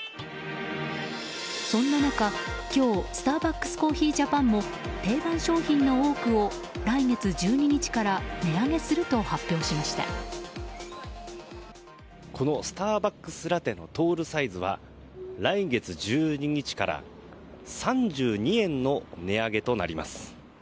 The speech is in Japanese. そんな中、今日、スターバックスコーヒージャパンも定番商品の多くを来月１２日からこのスターバックスラテのトールサイズは、来月１２日から３２円の値上げとなります。